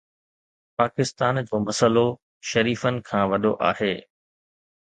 پاڪستان جو مسئلو شريفن کان وڏو آهي.